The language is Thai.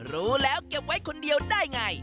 รู้แล้วเก็บไว้คนเดียวได้ไง